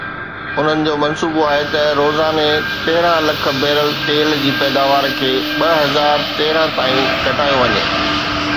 انهن جو منصوبو آهي ته روزاني تيرهن لک بيرل تيل جي پيداوار کي ٻه هزار تيرنهن تائين گهٽايو وڃي.